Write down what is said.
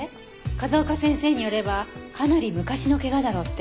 風丘先生によればかなり昔の怪我だろうって。